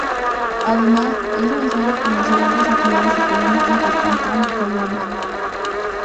Además es necesario conocer otras actividades económicas del Cantón Cayambe.